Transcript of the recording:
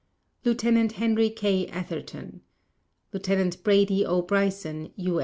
Lieutenant Henry K. Atherton Lieutenant Brady O. Bryson, U.